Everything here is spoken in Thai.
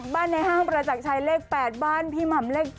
ในห้างประจักรชัยเลข๘บ้านพี่หม่ำเลข๗